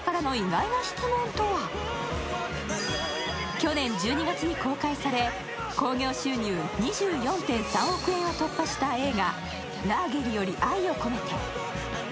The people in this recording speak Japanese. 去年１２月に公開され興行収入２４．３億円を突破した映画「ラーゲリより愛を込めて」。